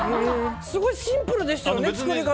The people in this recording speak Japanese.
すごいシンプルでしたもんね作り方。